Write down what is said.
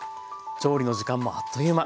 調理の時間もあっという間。